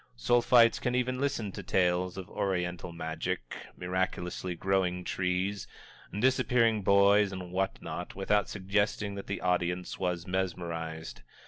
Sulphites can even listen to tales of Oriental magic, miraculously growing trees, disappearing boys and what not, without suggesting that the audience was mesmerized.